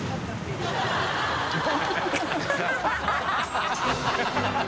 ハハハ